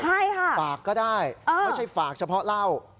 ใช่ค่ะฝากก็ได้ไม่ใช่ฝากเฉพาะเหล้า